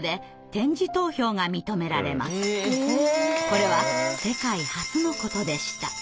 これは世界初のことでした。